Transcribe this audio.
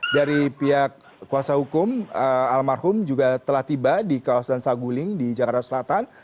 dari pihak kuasa hukum almarhum juga telah tiba di kawasan saguling di jakarta selatan